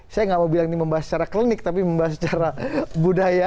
saya nggak mau bilang ini membahas secara klinik tapi membahas secara budaya